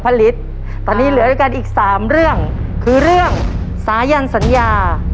ฤทธิ์ตอนนี้เหลือด้วยกันอีกสามเรื่องคือเรื่องสายันสัญญา